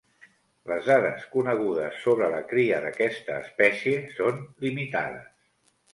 Les dades conegudes sobre la cria d'aquesta espècie són limitades.